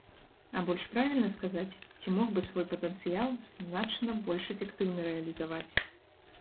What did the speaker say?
А больш правільна сказаць, ці мог бы свой патэнцыял значна больш эфектыўна рэалізаваць.